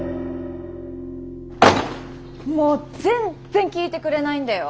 もうぜんっぜん聞いてくれないんだよ